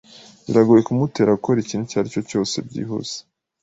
Biragoye kumutera gukora ikintu icyo aricyo cyose byihuse.